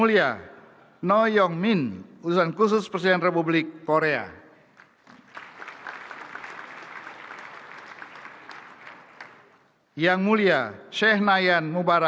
dan nyonya karimah rizwan